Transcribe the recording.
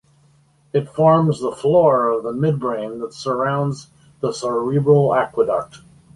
It forms the floor of the midbrain that surrounds the cerebral aqueduct.